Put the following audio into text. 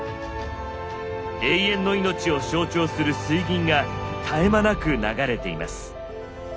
「永遠の命」を象徴する水銀が絶え間なく流れています。